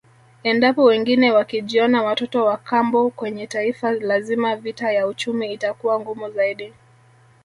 Endapo wengine wakijiona watoto wakambo kwenye Taifa lazima vita ya uchumi itakuwa ngumu zaidi